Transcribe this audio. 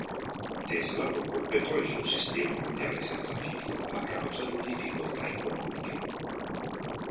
Tesla non completò il suo "sistema mondiale senza fili" a causa di difficoltà economiche.